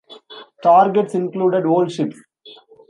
Targets included old ships.